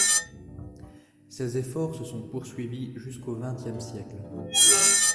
Ces efforts se sont poursuivis jusqu’au vingtième siècle.